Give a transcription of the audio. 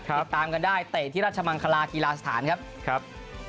ติดตามกันได้เตะที่ราชมังคลากีฬาสถานครับครับ